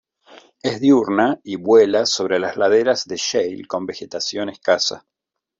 Es diurna y vuela sobre laderas de shale con vegetación escasa.